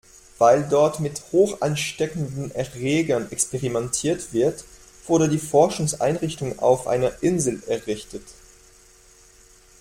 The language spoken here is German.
Weil dort mit hochansteckenden Erregern experimentiert wird, wurde die Forschungseinrichtung auf einer Insel errichtet.